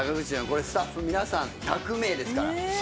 これスタッフ皆さん１００名ですから。